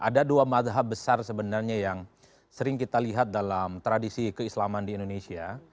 ada dua madhab besar sebenarnya yang sering kita lihat dalam tradisi keislaman di indonesia